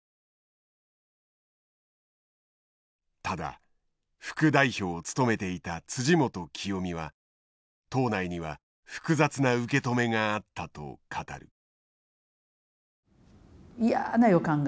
ただ副代表を務めていた元清美は党内には複雑な受け止めがあったと語る。